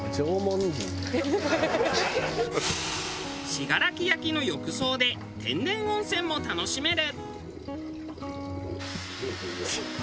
信楽焼の浴槽で天然温泉も楽しめる。